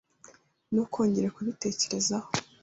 Ntukongere kubitekerezaho.